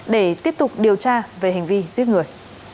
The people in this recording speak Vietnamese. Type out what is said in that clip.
để tiếp tục điều tra về hành vi giết người